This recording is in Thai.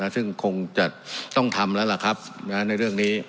ซึ่งคงจะต้องทำแล้วล่ะครับในเรื่องนี้